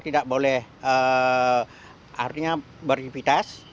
tidak boleh berhivitas